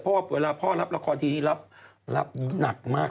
เพราะว่าพ่อทำงานเยอะเพราะว่าพ่อรับละครทีนี้รับหนักมาก